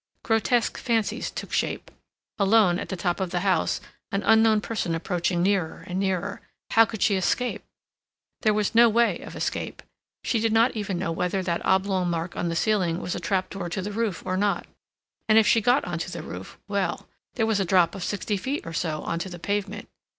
Grotesque fancies took shape. Alone, at the top of the house, an unknown person approaching nearer and nearer—how could she escape? There was no way of escape. She did not even know whether that oblong mark on the ceiling was a trap door to the roof or not. And if she got on to the roof—well, there was a drop of sixty feet or so on to the pavement.